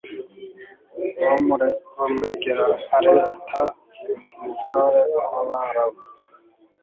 bamuregera areta, umutware w'abarabu